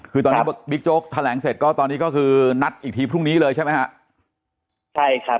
คือตอนนี้บิ๊กโจ๊กแถลงเสร็จก็ตอนนี้ก็คือนัดอีกทีพรุ่งนี้เลยใช่ไหมฮะใช่ครับ